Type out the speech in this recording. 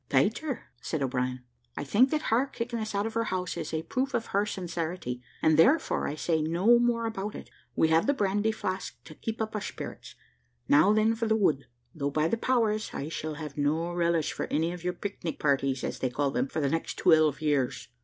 "Peter," said O'Brien, "I think that her kicking us out of her house is a proof of her sincerity, and therefore I say no more about it; we have the brandy flask to keep up our spirits. Now then for the wood, though, by the powers, I shall have no relish for any of your pic nic parties, as they call them, for the next twelve years."